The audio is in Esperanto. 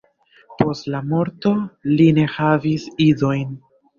Post la morto li ne havis idojn.